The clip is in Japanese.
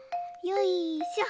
よいしょ。